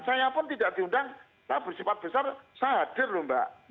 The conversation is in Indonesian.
saya pun tidak diundang saya bersifat besar saya hadir loh mbak